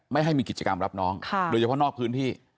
ไม่ให้มีกิจกรรมรับน้องโดยเฉพาะนอกพื้นที่